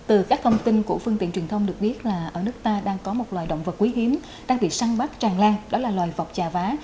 từ các thông tin của phương tiện truyền thông được biết là ở nước ta đang có một loài động vật quý hiếm đang bị săn bắt tràn lan đó là loài vọc trà vá